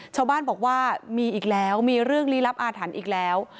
ชาวบ้านบอกว่ามีอีกแล้วมีเรื่องลี้ลับอาถรรพ์อีกแล้ว